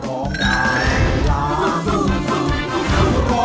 ร้องได้ให้ล้าน